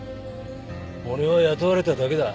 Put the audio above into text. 俺は雇われただけだ。